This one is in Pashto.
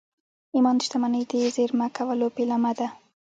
ایمان د شتمنۍ د زېرمه کولو پیلامه ده